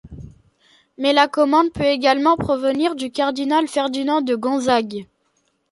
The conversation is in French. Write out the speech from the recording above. Mais la commande peut également provenir du cardinal Ferdinand de Gonzague.